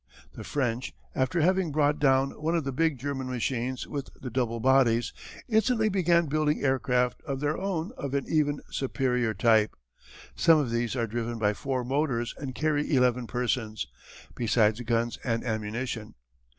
The French, after having brought down one of the big German machines with the double bodies, instantly began building aircraft of their own of an even superior type. Some of these are driven by four motors and carry eleven persons, besides guns and ammunition.